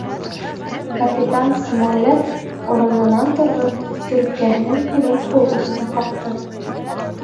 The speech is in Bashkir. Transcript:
Капитан Смолетт урынынан торҙо, төрөпкәһенең көлөн һул усына ҡаҡты.